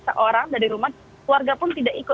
seorang dari rumah warga pun tidak ikut